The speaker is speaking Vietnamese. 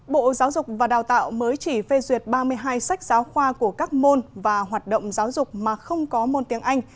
bộ giáo dục và đào tạo mới chỉ phê duyệt ba mươi hai sách giáo khoa của các môn và hoạt động giáo dục mà không có môn tiếng anh